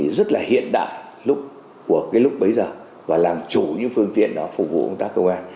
rất là hiện đại của lúc bấy giờ và làm chủ những phương tiện đó phục vụ công an